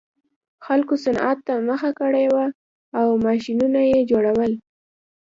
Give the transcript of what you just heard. خلکو صنعت ته مخه کړې وه او ماشینونه یې جوړول